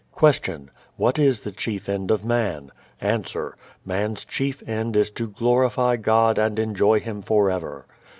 "Question: What is the chief End of Man? Answer: Man's chief End is to glorify God and enjoy Him forever."